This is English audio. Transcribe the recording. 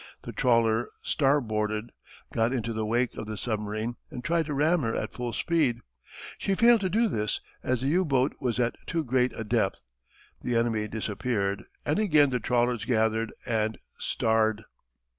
The trawler star boarded, got into the wake of the submarine and tried to ram her at full speed. She failed to do this, as the U boat was at too great a depth. The enemy disappeared, and again the trawlers gathered and "starred."